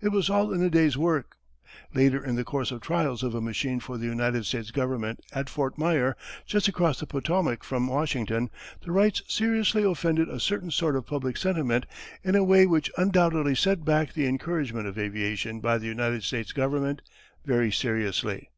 It was all in the day's work. Later in the course of trials of a machine for the United States Government at Fort Myer, just across the Potomac from Washington, the Wrights seriously offended a certain sort of public sentiment in a way which undoubtedly set back the encouragement of aviation by the United States Government very seriously.